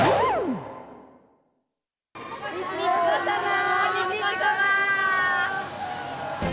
美智子さま。